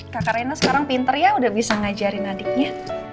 kakak rena sekarang pinter ya udah bisa ngajarin adiknya